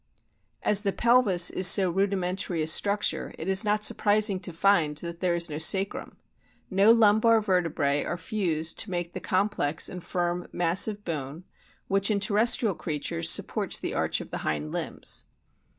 As the pelvis (see p. 25) is so rudimentary a structure it is not surprising to find that there is no sacrum ; no lumbar vertebrae are fused to make the complex and firm mass of bone which in terrestrial creatures supports the arch of the hind limbs.